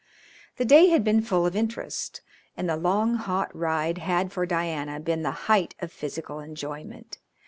The day had been full of interest, and the long, hot ride had for Diana been the height of physical enjoyment.